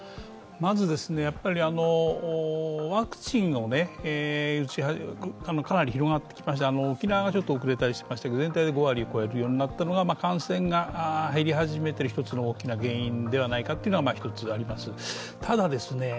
まず、ワクチンがかなり広がってきまして沖縄がちょっと遅れていましたが、全体で５割になって、感染が減り始めている一つの大きな原因ではないかというのがあります。